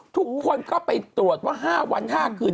ทุกคนก็ไปตรวจว่า๕วัน๕คืน